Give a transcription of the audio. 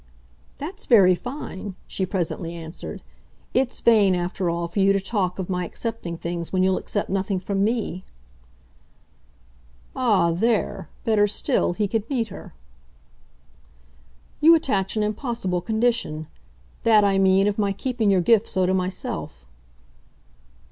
"That's very fine," she presently answered. "It's vain, after all, for you to talk of my accepting things when you'll accept nothing from me." Ah, THERE, better still, he could meet her. "You attach an impossible condition. That, I mean, of my keeping your gift so to myself."